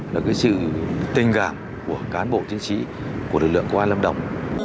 là cái sự tình cảm của cán bộ chiến sĩ của lực lượng công an lâm đồng